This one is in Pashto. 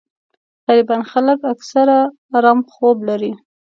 غريبان خلک اکثر ارام خوب لري